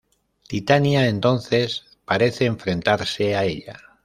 Titania entonces parece enfrentarse a ella.